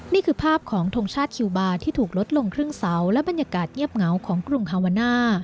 นี่คือภาพของทงชาติคิวบาร์ที่ถูกลดลงครึ่งเสาและบรรยากาศเงียบเหงาของกรุงฮาวาน่า